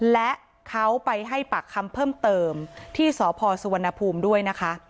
และเขาไปให้ปากคำเพิ่มเติมที่สพสุวรรณภูมิด้วยนะคะ